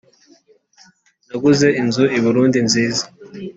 Naguze inzu iburundi nziza